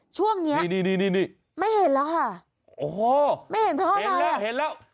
ช่วงนี้ไม่เห็นแล้วค่ะไม่เห็นเพราะอะไรนี่นี่